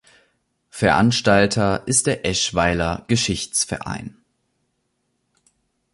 Veranstalter ist der Eschweiler Geschichtsverein.